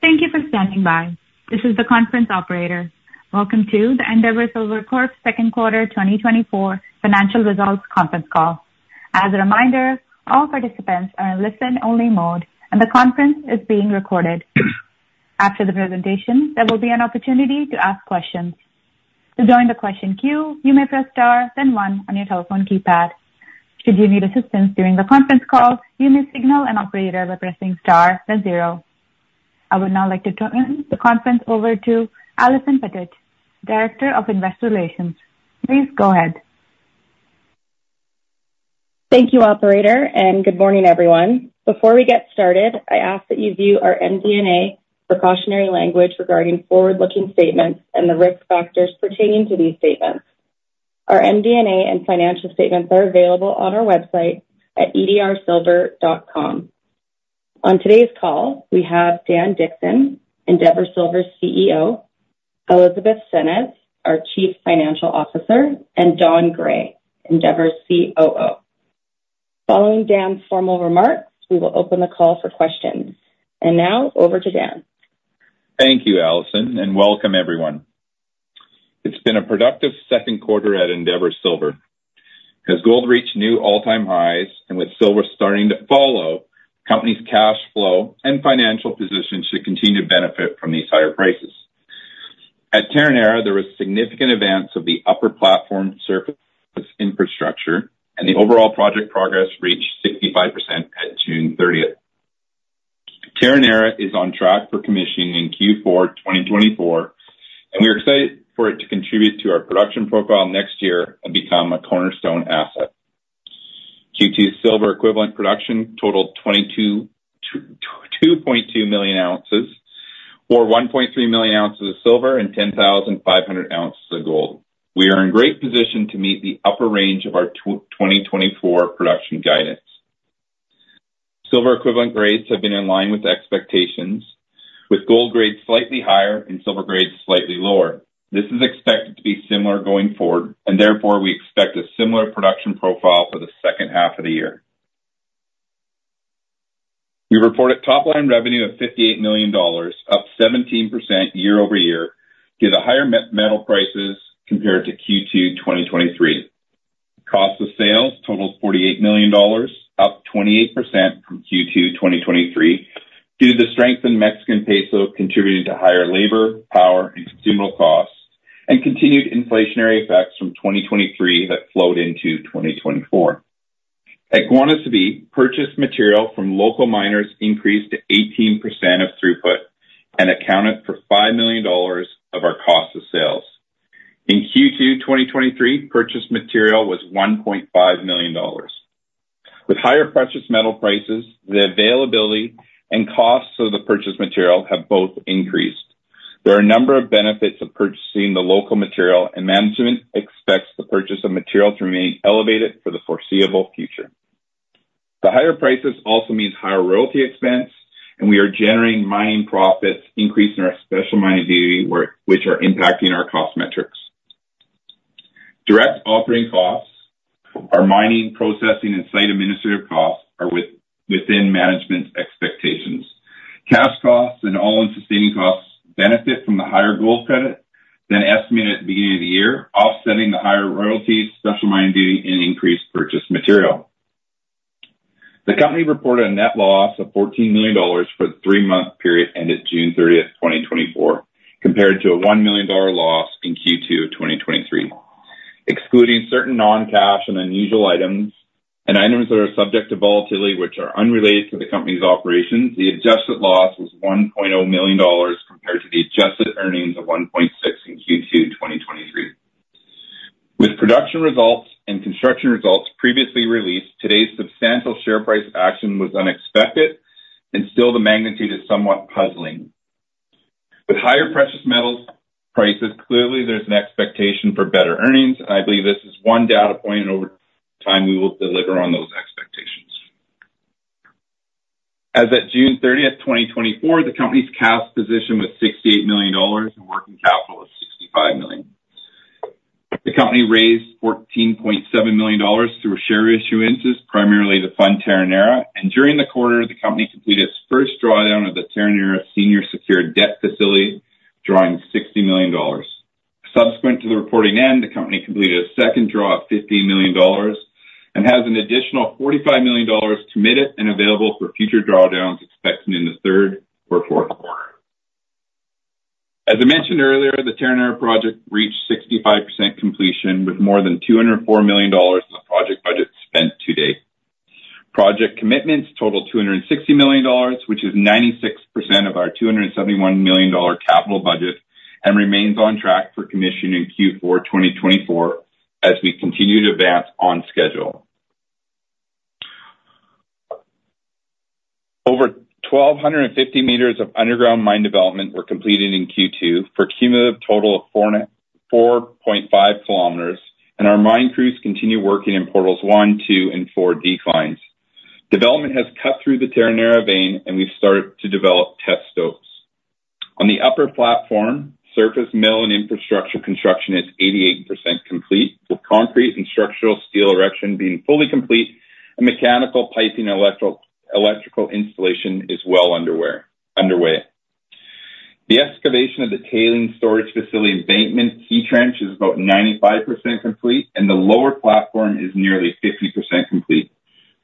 Thank you for standing by. This is the conference operator. Welcome to the Endeavour Silver Corp. Second Quarter 2024 Financial Results Conference Call. As a reminder, all participants are in listen-only mode, and the conference is being recorded. After the presentation, there will be an opportunity to ask questions. To join the question queue, you may press star, then one on your telephone keypad. Should you need assistance during the conference call, you may signal an operator by pressing star, then zero. I would now like to turn the conference over to Allison Pettit, Director of Investor Relations. Please go ahead. Thank you, Operator, and good morning, everyone. Before we get started, I ask that you view our MD&A precautionary language regarding forward-looking statements and the risk factors pertaining to these statements. Our MD&A and financial statements are available on our website at endeavoursilver.com. On today's call, we have Dan Dickson, Endeavour Silver's CEO; Elizabeth Senez, our Chief Financial Officer; and Don Gray, Endeavour's COO. Following Dan's formal remarks, we will open the call for questions. And now, over to Dan. Thank you, Allison, and welcome, everyone. It's been a productive second quarter at Endeavour Silver. As gold reached new all-time highs and with silver starting to follow, the company's cash flow and financial position should continue to benefit from these higher prices. At Terronera, there were significant advances of the upper platform surface infrastructure, and the overall project progress reached 65% at June 30th. Terronera is on track for commissioning in Q4 2024, and we're excited for it to contribute to our production profile next year and become a cornerstone asset. Q2 silver equivalent production totaled 2.2 million ounces, or 1.3 million ounces of silver and 10,500 ounces of gold. We are in great position to meet the upper range of our 2024 production guidance. Silver equivalent grades have been in line with expectations, with gold grades slightly higher and silver grades slightly lower. This is expected to be similar going forward, and therefore, we expect a similar production profile for the second half of the year. We report a top-line revenue of $58 million, up 17% year-over-year, due to higher metal prices compared to Q2 2023. Cost of sales totaled $48 million, up 28% from Q2 2023, due to the strength in Mexican peso contributing to higher labor, power, and consumable costs, and continued inflationary effects from 2023 that flowed into 2024. At Guanaceví, purchased material from local miners increased to 18% of throughput and accounted for $5 million of our cost of sales. In Q2 2023, purchased material was $1.5 million. With higher precious metal prices, the availability and costs of the purchased material have both increased. There are a number of benefits of purchasing the local material, and management expects the purchase of material to remain elevated for the foreseeable future. The higher prices also mean higher royalty expense, and we are generating mining profits increased in our special mining duty, which are impacting our cost metrics. Direct operating costs, our mining, processing, and site administrative costs are within management's expectations. Cash costs and all-in sustaining costs benefit from the higher gold credit than estimated at the beginning of the year, offsetting the higher royalties, special mining duty, and increased purchased material. The company reported a net loss of $14 million for the three-month period ended June 30th, 2024, compared to a $1 million loss in Q2 2023. Excluding certain non-cash and unusual items and items that are subject to volatility, which are unrelated to the company's operations, the adjusted loss was $1.0 million compared to the adjusted earnings of $1.6 in Q2 2023. With production results and construction results previously released, today's substantial share price action was unexpected, and still, the magnitude is somewhat puzzling. With higher precious metal prices, clearly, there's an expectation for better earnings, and I believe this is one data point over time we will deliver on those expectations. As of June 30th, 2024, the company's cash position was $68 million and working capital of $65 million. The company raised $14.7 million through share issuances, primarily to fund Terronera, and during the quarter, the company completed its first drawdown of the Terronera Senior Secured Debt Facility, drawing $60 million. Subsequent to the reporting end, the company completed a second draw of $15 million and has an additional $45 million committed and available for future drawdowns expected in the third or fourth quarter. As I mentioned earlier, the Terronera project reached 65% completion with more than $204 million in the project budget spent to date. Project commitments totaled $260 million, which is 96% of our $271 million capital budget, and remains on track for commissioning in Q4 2024 as we continue to advance on schedule. Over 1,250 meters of underground mine development were completed in Q2 for a cumulative total of 4.5 kilometers, and our mine crews continue working in portals one, two, and four declines. Development has cut through the Terronera vein, and we've started to develop test stopes. On the upper platform, surface mill and infrastructure construction is 88% complete, with concrete and structural steel erection being fully complete, and mechanical piping and electrical installation is well underway. The excavation of the tailings storage facility embankment key trench is about 95% complete, and the lower platform is nearly 50% complete.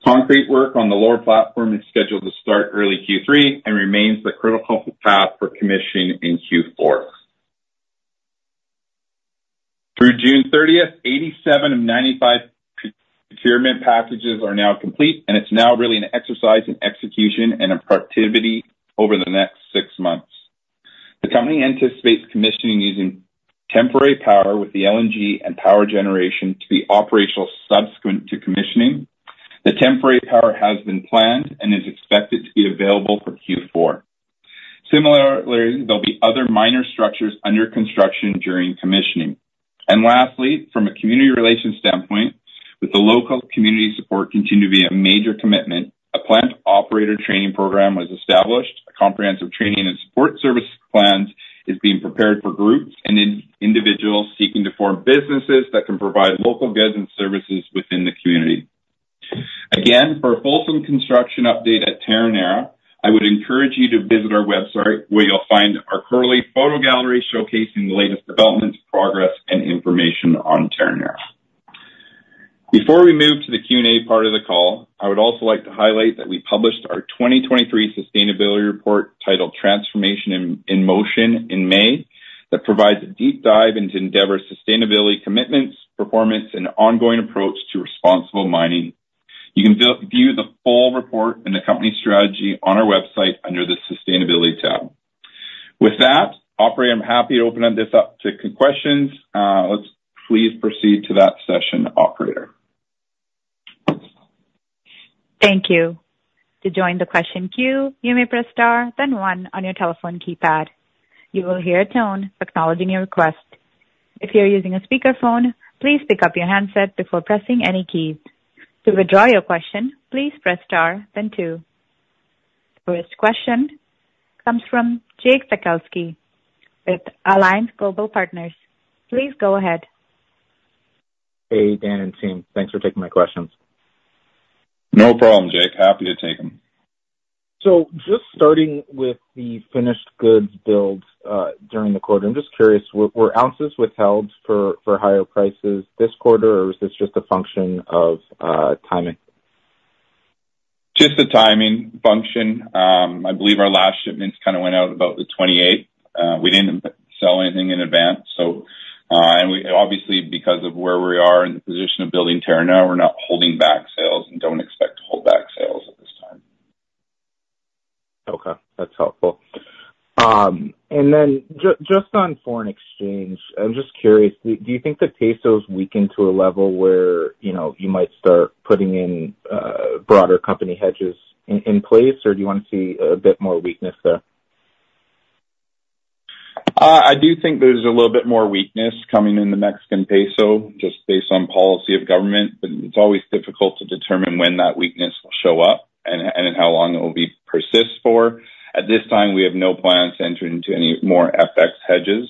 Concrete work on the lower platform is scheduled to start early Q3 and remains the critical path for commissioning in Q4. Through June 30th, 87 of 95 procurement packages are now complete, and it's now really an exercise in execution and productivity over the next 6 months. The company anticipates commissioning using temporary power with the LNG and power generation to be operational subsequent to commissioning. The temporary power has been planned and is expected to be available for Q4. Similarly, there'll be other minor structures under construction during commissioning. And lastly, from a community relations standpoint, with the local community support continuing to be a major commitment, a planned operator training program was established. A comprehensive training and support service plan is being prepared for groups and individuals seeking to form businesses that can provide local goods and services within the community. Again, for a fulsome construction update at Terronera, I would encourage you to visit our website, where you'll find our quarterly photo gallery showcasing the latest developments, progress, and information on Terronera. Before we move to the Q&A part of the call, I would also like to highlight that we published our 2023 sustainability report titled "Transformation in Motion" in May that provides a deep dive into Endeavour's sustainability commitments, performance, and ongoing approach to responsible mining. You can view the full report and the company strategy on our website under the Sustainability tab. With that, Operator, I'm happy to open this up to questions. Let's please proceed to that session, Operator. Thank you. To join the question queue, you may press star, then one on your telephone keypad. You will hear a tone acknowledging your request. If you're using a speakerphone, please pick up your handset before pressing any keys. To withdraw your question, please press star, then two. First question comes from Jake Sekelsky with Alliance Global Partners. Please go ahead. Hey, Dan and team. Thanks for taking my questions. No problem, Jake. Happy to take them. Just starting with the finished goods builds during the quarter, I'm just curious, were ounces withheld for higher prices this quarter, or was this just a function of timing? Just a timing function. I believe our last shipments kind of went out about the 28th. We didn't sell anything in advance. And obviously, because of where we are in the position of building Terronera, we're not holding back sales and don't expect to hold back sales at this time. Okay. That's helpful. And then just on foreign exchange, I'm just curious, do you think the peso has weakened to a level where you might start putting in broader company hedges in place, or do you want to see a bit more weakness there? I do think there's a little bit more weakness coming in the Mexican peso just based on policy of government, but it's always difficult to determine when that weakness will show up and how long it will persist for. At this time, we have no plans to enter into any more FX hedges.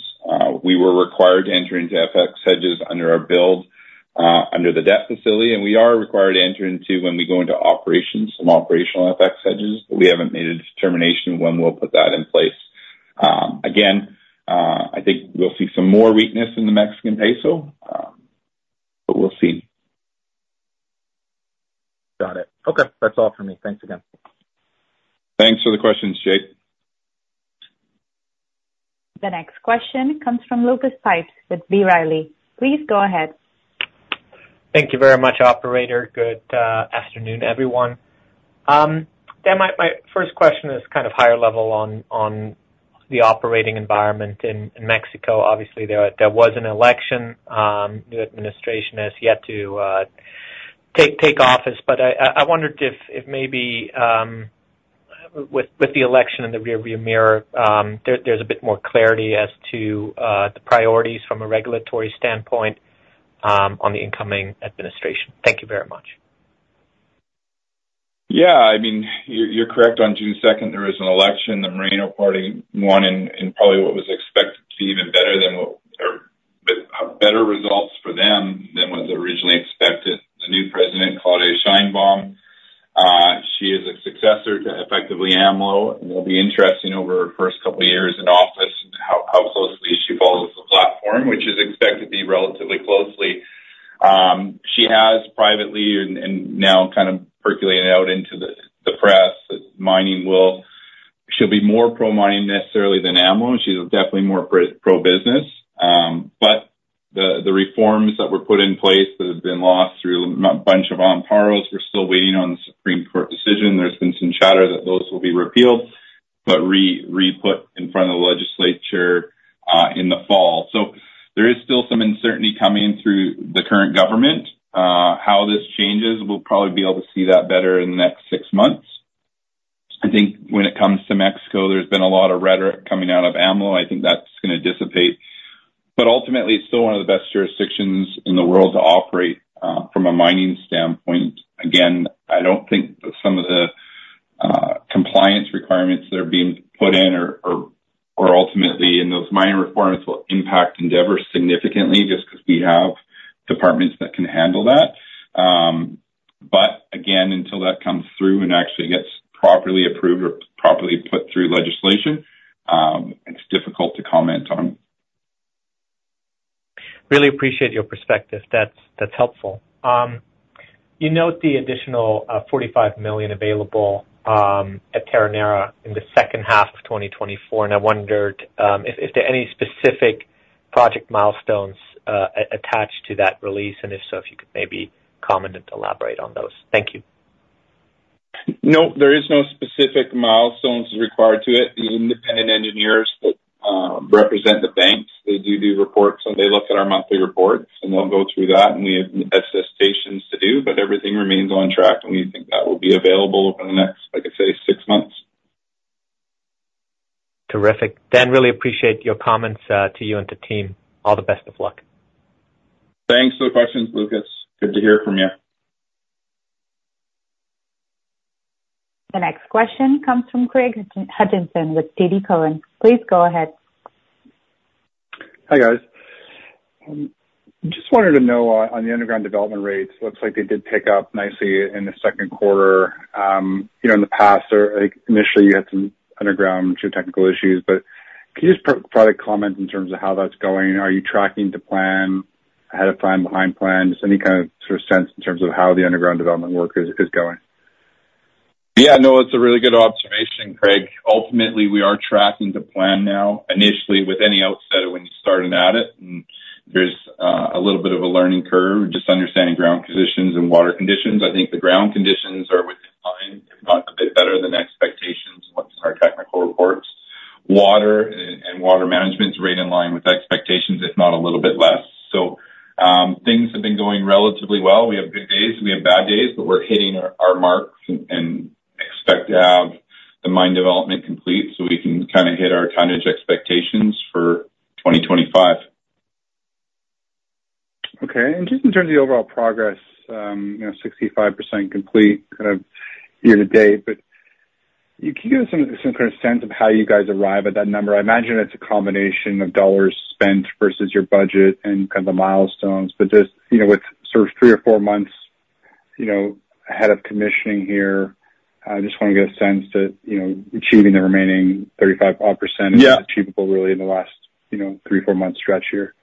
We were required to enter into FX hedges under our build under the debt facility, and we are required to enter into when we go into operations some operational FX hedges, but we haven't made a determination when we'll put that in place. Again, I think we'll see some more weakness in the Mexican peso, but we'll see. Got it. Okay. That's all for me. Thanks again. Thanks for the questions, Jake. The next question comes from Lucas Pipes with B. Riley. Please go ahead. Thank you very much, Operator. Good afternoon, everyone. Dan, my first question is kind of higher level on the operating environment in Mexico. Obviously, there was an election. The administration has yet to take office, but I wondered if maybe with the election in the rearview mirror, there's a bit more clarity as to the priorities from a regulatory standpoint on the incoming administration. Thank you very much. Yeah. I mean, you're correct. On June 2nd, there was an election. The Morena Party won in probably what was expected to be even better than what or with better results for them than was originally expected. The new president, Claudia Sheinbaum. She is a successor to effectively AMLO, and it'll be interesting over the first couple of years in office how closely she follows the platform, which is expected to be relatively closely. She has privately and now kind of percolated out into the press that mining will she'll be more pro-mining necessarily than AMLO. She's definitely more pro-business. But the reforms that were put in place that have been lost through a bunch of amparos, we're still waiting on the Supreme Court decision. There's been some chatter that those will be repealed but re-put in front of the legislature in the fall. So there is still some uncertainty coming through the current government. How this changes, we'll probably be able to see that better in the next six months. I think when it comes to Mexico, there's been a lot of rhetoric coming out of AMLO. I think that's going to dissipate. But ultimately, it's still one of the best jurisdictions in the world to operate from a mining standpoint. Again, I don't think some of the compliance requirements that are being put in or ultimately in those mining reforms will impact Endeavour significantly just because we have departments that can handle that. But again, until that comes through and actually gets properly approved or properly put through legislation, it's difficult to comment on. Really appreciate your perspective. That's helpful. You note the additional $45 million available at Terronera in the second half of 2024, and I wondered if there are any specific project milestones attached to that release, and if so, if you could maybe comment and elaborate on those. Thank you. No, there are no specific milestones required to it. The independent engineers represent the banks. They do do reports, and they look at our monthly reports, and they'll go through that, and we have the necessary stations to do, but everything remains on track, and we think that will be available over the next, like I say, six months. Terrific. Dan, really appreciate your comments to you and the team. All the best of luck. Thanks for the questions, Lucas. Good to hear from you. The next question comes from Craig Hutchison with TD Cowen. Please go ahead. Hi guys. Just wanted to know on the underground development rates. It looks like they did pick up nicely in the second quarter. In the past, initially, you had some underground geotechnical issues, but can you just provide a comment in terms of how that's going? Are you tracking the plan, ahead of plan, behind plan? Just any kind of sort of sense in terms of how the underground development work is going? Yeah. No, that's a really good observation, Craig. Ultimately, we are tracking the plan now. Initially, with any outset of when you started at it, and there's a little bit of a learning curve. Just understanding ground conditions and water conditions. I think the ground conditions are in line, if not a bit better than expectations in our technical reports. Water and water management is right in line with expectations, if not a little bit less. So things have been going relatively well. We have good days. We have bad days, but we're hitting our marks and expect to have the mine development complete so we can kind of hit our tonnage expectations for 2025. Okay. And just in terms of the overall progress, 65% complete kind of year to date, but can you give us some kind of sense of how you guys arrive at that number? I imagine it's a combination of dollars spent versus your budget and kind of the milestones, but just with sort of three or four months ahead of commissioning here, I just want to get a sense that achieving the remaining 35% is achievable really in the last three or four months stretch here.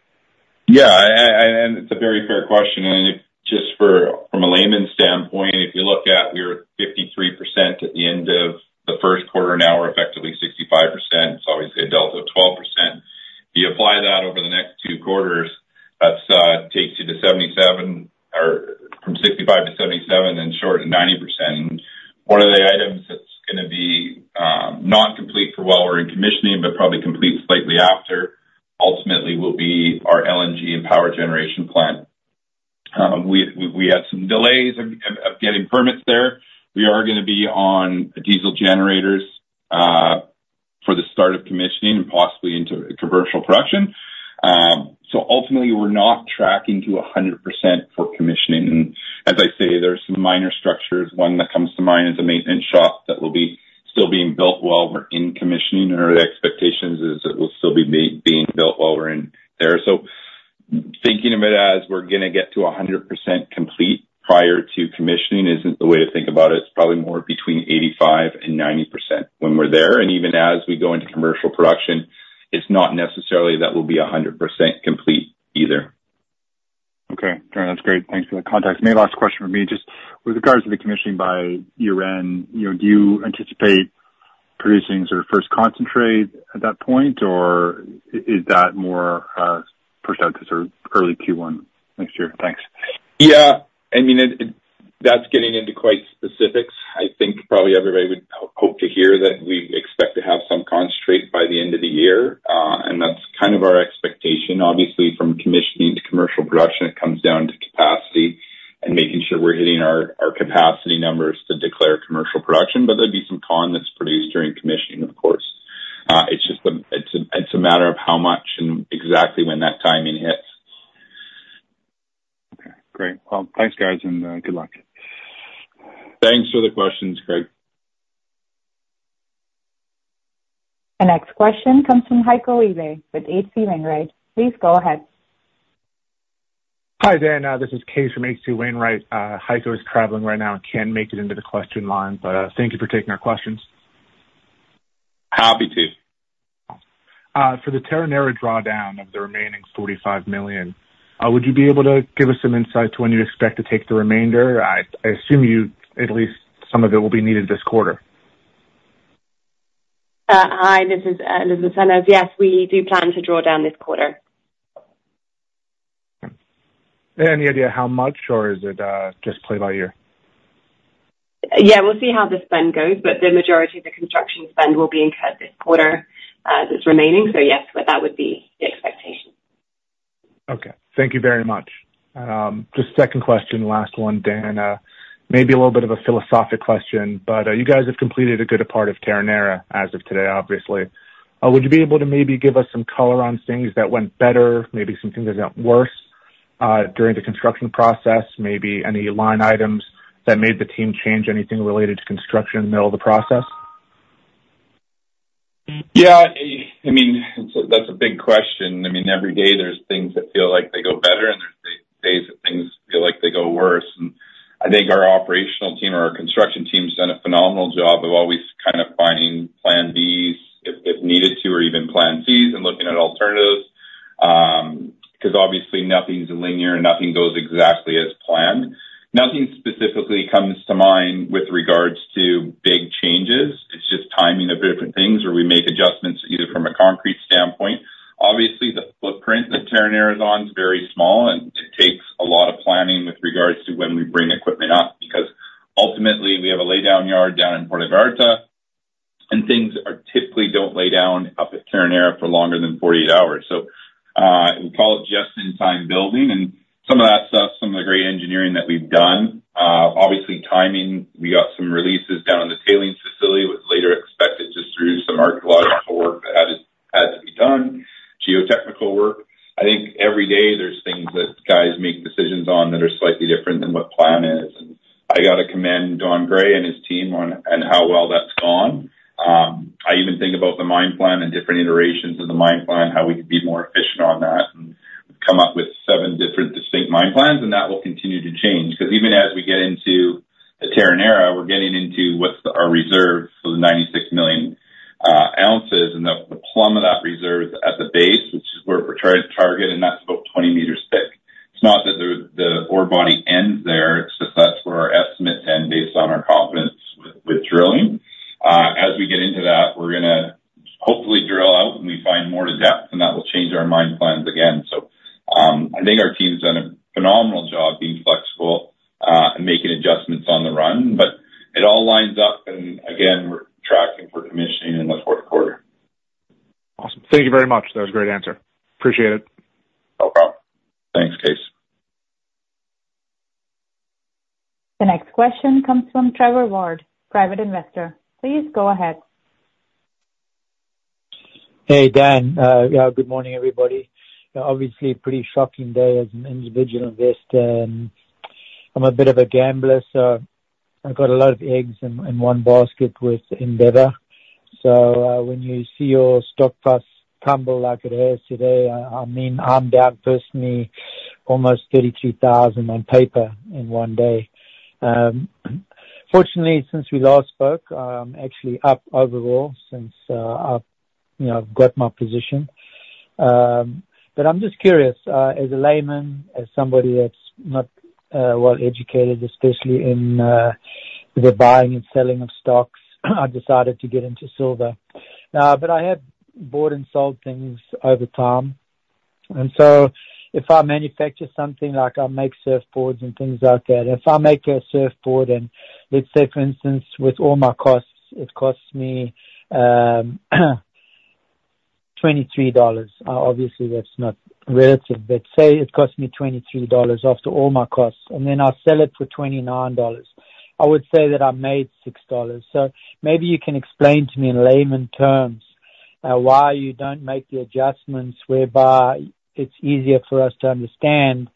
Yeah. And it's a very fair question. And just from a layman's standpoint, if you look at your 53% at the end of the first quarter now, we're effectively 65%. It's always a delta of 12%. If you apply that over the next two quarters, that takes you to 77% or from 65% to 77% and short of 90%. And one of the items that's going to be not complete for while we're in commissioning, but probably complete slightly after, ultimately, will be our LNG and power generation plant. We had some delays of getting permits there. We are going to be on diesel generators for the start of commissioning and possibly into commercial production. So ultimately, we're not tracking to 100% for commissioning. And as I say, there are some minor structures. One that comes to mind is a maintenance shop that will be still being built while we're in commissioning, and our expectation is that it will still be being built while we're in there. So thinking of it as we're going to get to 100% complete prior to commissioning isn't the way to think about it. It's probably more between 85%-90% when we're there. Even as we go into commercial production, it's not necessarily that we'll be 100% complete either. Okay. That's great. Thanks for the context. Maybe last question for me. Just with regards to the commissioning by year-end, do you anticipate producing sort of first concentrate at that point, or is that more pushed out to sort of early Q1 next year? Thanks. Yeah. I mean, that's getting into quite specifics. I think probably everybody would hope to hear that we expect to have some concentrate by the end of the year, and that's kind of our expectation. Obviously, from commissioning to commercial production, it comes down to capacity and making sure we're hitting our capacity numbers to declare commercial production, but there'd be some concentrate that's produced during commissioning, of course. It's a matter of how much and exactly when that timing hits. Okay. Great. Well, thanks, guys, and good luck. Thanks for the questions, Craig. The next question comes from Heiko Ihle with H.C. Wainwright. Please go ahead. Hi Dan. This is Case from H.C. Wainwright. Heiko is traveling right now and can't make it into the question line, but thank you for taking our questions. Happy to. For the Terronera drawdown of the remaining $45 million, would you be able to give us some insight to when you expect to take the remainder? I assume at least some of it will be needed this quarter. Hi, this is Elizabeth Senez. Yes, we do plan to draw down this quarter. Any idea how much, or is it just play by ear? Yeah. We'll see how the spend goes, but the majority of the construction spend will be incurred this quarter that's remaining. So yes, that would be the expectation. Okay. Thank you very much. Just second question, last one, Dan. Maybe a little bit of a philosophic question, but you guys have completed a good part of Terronera as of today, obviously. Would you be able to maybe give us some color on things that went better, maybe some things that went worse during the construction process, maybe any line items that made the team change anything related to construction in the middle of the process? Yeah. I mean, that's a big question. I mean, every day there's things that feel like they go better, and there's days that things feel like they go worse. And I think our operational team or our construction team's done a phenomenal job of always kind of finding plan Bs if needed to, or even plan Cs and looking at alternatives because obviously nothing's linear and nothing goes exactly as ounces, and the plum of that reserve is at the base, which is where we're trying to target, and that's about 20 meters thick. It's not that the ore body ends there. It's just that's where our estimates end based on our confidence with drilling. As we get into that, we're going to hopefully drill out when we find more depth, and that will change our mine plans again. So I think our team's done a phenomenal job being flexible and making adjustments on the run, but it all lines up, and again, we're tracking for commissioning in the fourth quarter. Awesome. Thank you very much. That was a great answer. Appreciate it. No problem. Thanks, Case. The next question comes from Trevor Ward, private investor. Please go ahead. Hey, Dan. Good morning, everybody. Obviously, a pretty shocking day as an individual investor. I'm a bit of a gambler. So I've got a lot of eggs in one basket with Endeavour. So when you see your stock price tumble like it has today, I mean, I'm down personally almost 33,000 on paper in one day. Fortunately, since we last spoke, I'm actually up overall since I've got my position. But I'm just curious, as a layman, as somebody that's not well educated, especially in the buying and selling of stocks, I decided to get into silver. But I have bought and sold things over time. And so if I manufacture something like I make surfboards and things like that, if I make a surfboard and let's say, for instance, with all my costs, it costs me $23. Obviously, that's not relative, but say it costs me $23 after all my costs, and then I sell it for $29. I would say that I made $6. So maybe you can explain to me in layman's terms why you don't make the adjustments whereby it's easier for us to understand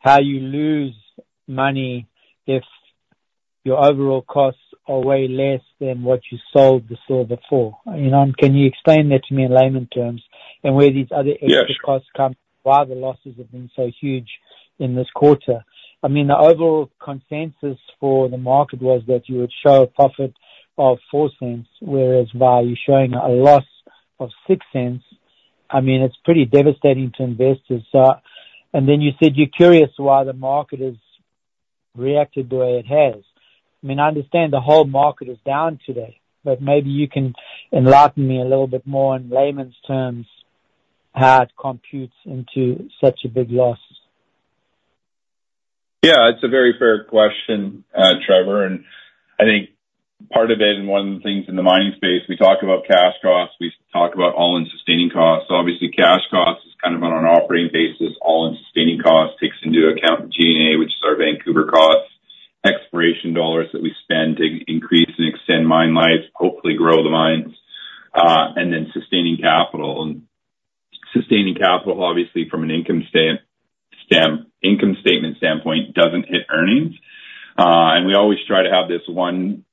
how you lose money if your overall costs are way less than what you sold the silver for. Can you explain that to me in layman's terms and where these other extra costs come from, why the losses have been so huge in this quarter? I mean, the overall consensus for the market was that you would show a profit of $0.04, whereas by you showing a loss of $0.06, I mean, it's pretty devastating to investors. And then you said you're curious why the market has reacted the way it has. I mean, I understand the whole market is down today, but maybe you can enlighten me a little bit more in layman's terms how it computes into such a big loss? Yeah. It's a very fair question, Trevor. And I think part of it and one of the things in the mining space, we talk about cash costs. We talk about all-in sustaining costs. Obviously, cash costs is kind of on an operating basis. All-in sustaining costs takes into account G&A, which is our Vancouver cost, exploration dollars that we spend to increase and extend mine life, hopefully grow the mines, and then sustaining capital. And sustaining capital, obviously, from an income statement standpoint, doesn't hit earnings. And we always try to have this one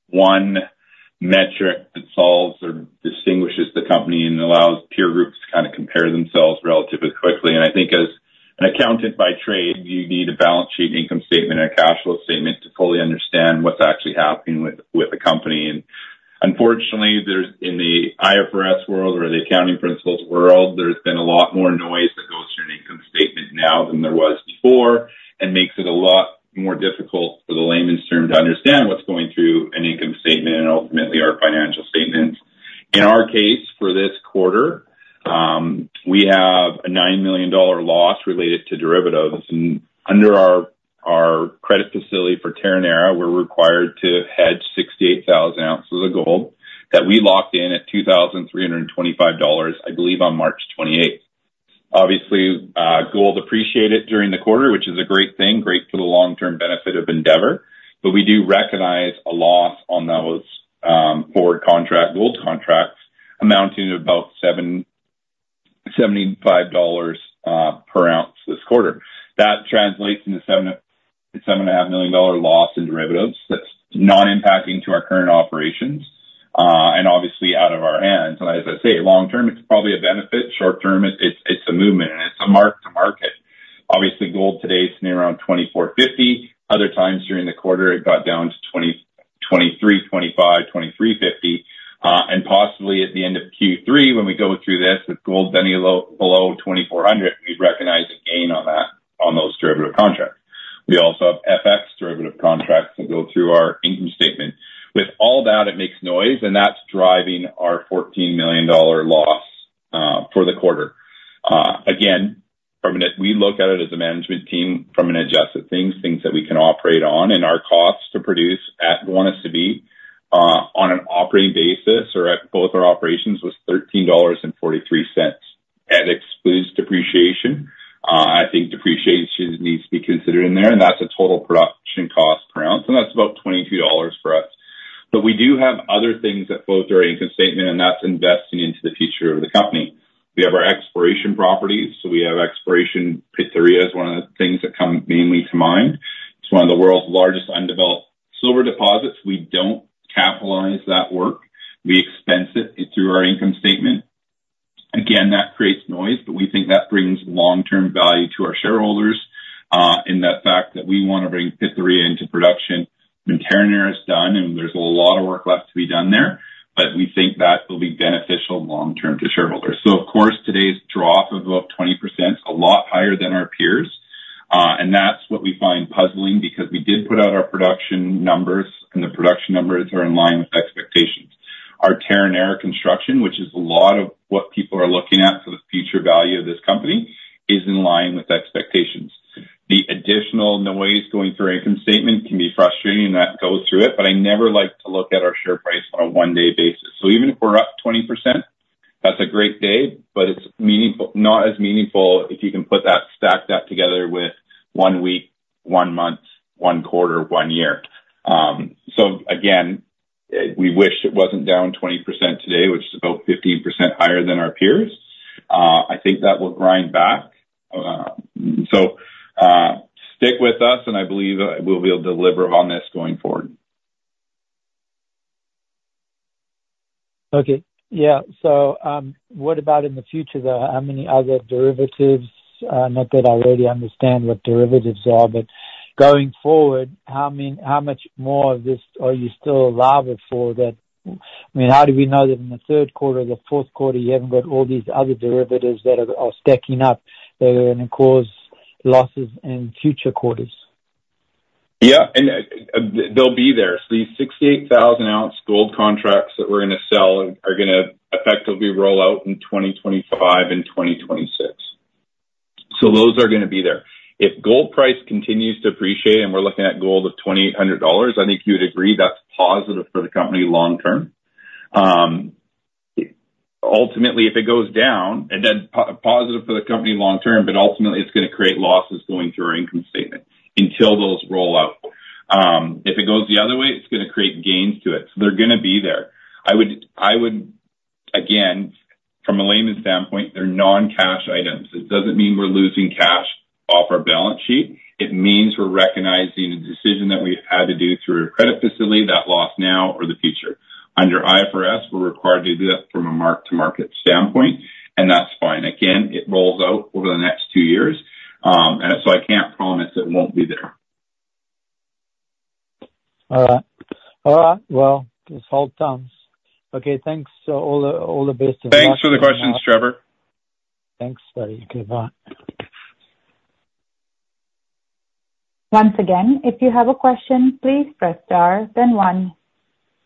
metric that solves or distinguishes the company and allows peer groups to kind of compare themselves relatively quickly. And I think as an accountant by trade, you need a balance sheet, income statement, and a cash flow statement to fully understand what's actually happening with the company. Unfortunately, in the IFRS world or the accounting principles world, there's been a lot more noise that goes through an income statement now than there was before and makes it a lot more difficult for the layman's terms to understand what's going through an income statement and ultimately our financial statements. In our case, for this quarter, we have a $9 million loss related to derivatives. Under our credit facility for Terronera, we're required to hedge 68,000 ounces of gold that we locked in at $2,325, I believe, on March 28th. Obviously, gold appreciated during the quarter, which is a great thing, great for the long-term benefit of Endeavour, but we do recognize a loss on those forward contract gold contracts amounting to about $75 per ounce this quarter. That translates into a $7.5 million loss in derivatives that's non-impacting to our current operations and obviously out of our hands. And as I say, long-term, it's probably a benefit. Short-term, it's a movement, and it's a mark-to-market. Obviously, gold today is near around 2,450. Other times during the quarter, it got down to 2,325, 2,350. And possibly at the end of Q3, when we go through this with gold then below 2,400, we recognize a gain on those derivative contracts. We also have FX derivative contracts that go through our income statement. With all that, it makes noise, and that's driving our $14 million loss for the quarter. Again, we look at it as a management team from an adjusted basis, things that we can operate on, and our costs to produce at what we want to be on an operating basis at both our operations was $13.43. That excludes depreciation. I think depreciation needs to be considered in there, and that's a total production cost per ounce, and that's about $22 for us. But we do have other things that flow through our income statement, and that's investing into the future of the company. We have our exploration properties. So we have exploration Pitarrilla is one of the things that come mainly to mind. It's one of the world's largest undeveloped silver deposits. We don't capitalize that work. We expense it through our income statement. Again, that creates noise, but we think that brings long-term value to our shareholders in the fact that we want to bring Pitarrilla into production. When Terronera is done, and there's a lot of work left to be done there, but we think that will be beneficial long-term to shareholders. So of course, today's drop of about 20% is a lot higher than our peers, and that's what we find puzzling because we did put out our production numbers, and the production numbers are in line with expectations. Our Terronera construction, which is a lot of what people are looking at for the future value of this company, is in line with expectations. The additional noise going through our income statement can be frustrating, and that goes through it, but I never like to look at our share price on a one-day basis. So even if we're up 20%, that's a great day, but it's not as meaningful if you can stack that together with one week, one month, one quarter, one year. So again, we wish it wasn't down 20% today, which is about 15% higher than our peers. I think that will grind back. So stick with us, and I believe we'll be able to deliver on this going forward. Okay. Yeah. So what about in the future though? How many other derivatives? Not that I really understand what derivatives are, but going forward, how much more of this are you still allowable for that? I mean, how do we know that in the third quarter, the fourth quarter, you haven't got all these other derivatives that are stacking up that are going to cause losses in future quarters? Yeah. And they'll be there. So these 68,000-ounce gold contracts that we're going to sell are going to effectively roll out in 2025 and 2026. So those are going to be there. If gold price continues to appreciate and we're looking at gold at $2,800, I think you would agree that's positive for the company long-term. Ultimately, if it goes down, and then positive for the company long-term, but ultimately it's going to create losses going through our income statement until those roll out. If it goes the other way, it's going to create gains to it. So they're going to be there. I would, again, from a layman's standpoint, they're non-cash items. It doesn't mean we're losing cash off our balance sheet. It means we're recognizing a decision that we've had to do through a credit facility that lost now or the future. Under IFRS, we're required to do that from a mark-to-market standpoint, and that's fine. Again, it rolls out over the next two years, and so I can't promise it won't be there. All right. All right. Well, let's hold times. Okay. Thanks. All the best. Thanks for the questions, Trevor. Thanks, buddy. Goodbye. Once again, if you have a question, please press star, then one.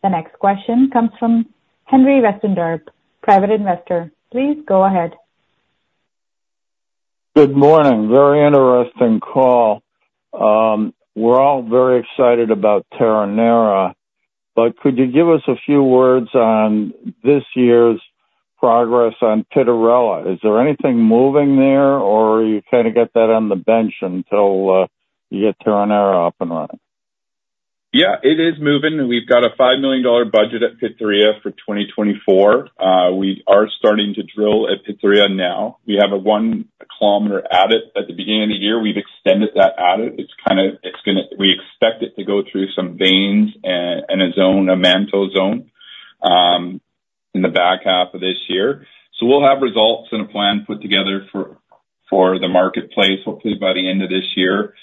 The next question comes from Henry Westendorp, private investor. Please go ahead. Good morning. Very interesting call. We're all very excited about Terronera, but could you give us a few words on this year's progress on Pitarrilla? Is there anything moving there, or are you kind of get that on the bench until you get Terronera up and running? Yeah. It is moving. We've got a $5 million budget at Pitarrilla for 2024. We are starting to drill at Pitarrilla now. We have a 1-kilometer adit at the beginning of the year. We've extended that adit. It's kind of we expect it to go through some veins and a manto zone in the back half of this year. So we'll have results and a plan put together for the marketplace, hopefully by the end of this year.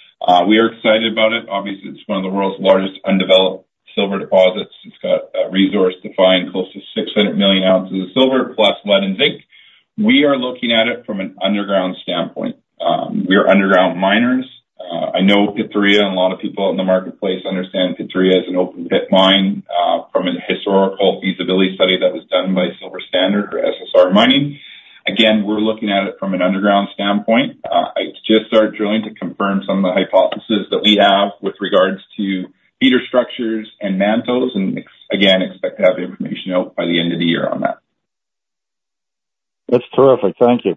We are excited about it. Obviously, it's one of the world's largest undeveloped silver deposits. It's got a resource to find close to 600 million ounces of silver plus lead and zinc. We are looking at it from an underground standpoint. We are underground miners. I know Pitarrilla and a lot of people in the marketplace understand Pitarrilla is an open-pit mine from a historical feasibility study that was done by Silver Standard or SSR Mining. Again, we're looking at it from an underground standpoint. I just started drilling to confirm some of the hypotheses that we have with regards to feeder structures and mantos and, again, expect to have information out by the end of the year on that. That's terrific. Thank you.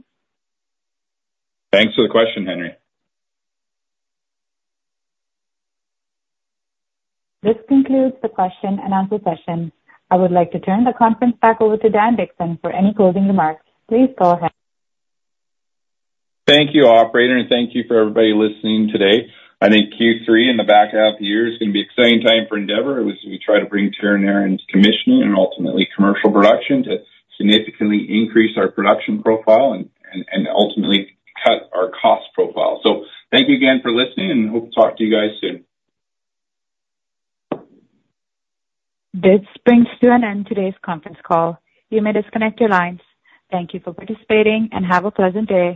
Thanks for the question, Henry. This concludes the question and answer session. I would like to turn the conference back over to Dan Dickson for any closing remarks. Please go ahead. Thank you, operator, and thank you for everybody listening today. I think Q3 in the back half of the year is going to be an exciting time for Endeavour. We try to bring Terronera into commission and ultimately commercial production to significantly increase our production profile and ultimately cut our cost profile. So thank you again for listening, and hope to talk to you guys soon. This brings to an end today's conference call. You may disconnect your lines. Thank you for participating, and have a pleasant day.